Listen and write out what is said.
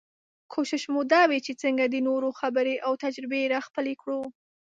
کوشش مو دا وي چې څنګه د نورو خبرې او تجربې راخپلې کړو.